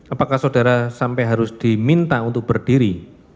apakah saudara sampai harus diminta untuk berdiri